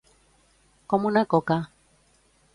Com una coca.